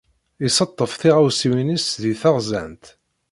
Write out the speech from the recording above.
Isettef tiɣawsiwin-is deg texzant.